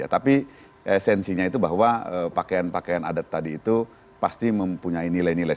tapi esensinya itu bahwa pakaian pakaian adat tadi itu pasti mempunyai nilai nilai